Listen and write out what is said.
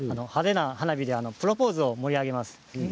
派手な花火でプロポーズを盛り上げます。